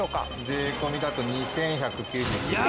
税込みだと２，１９９円。